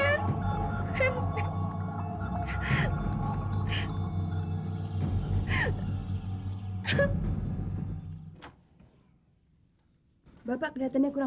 tanpa apa kalau tak tersayang